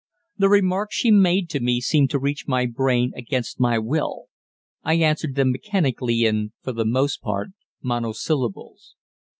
The remarks she made to me seemed to reach my brain against my will. I answered them mechanically, in, for the most part, monosyllables.